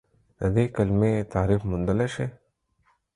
د دې کلمې تعریف موندلی شئ؟